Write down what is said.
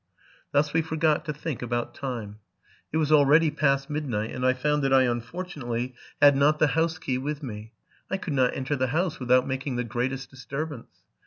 Thus we forgot to think about time: it was already past midnight, and IT found that I unfortunately had not the house key w 'ith me. I could not enter the house without making the greatest disturbance.